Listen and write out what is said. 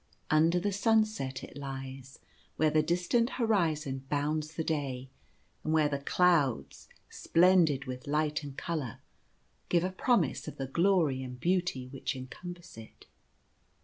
Under the Sunset it lies, where the distant horizon bounds the day, and where the clouds, splendid with light and colour, give a promise of the glory and beauty which encompass it.